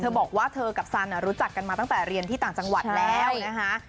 บอกว่าเธอกับซันรู้จักกันมาตั้งแต่เรียนที่ต่างจังหวัดแล้วนะคะ